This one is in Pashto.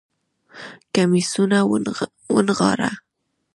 کميسونه ونغاړه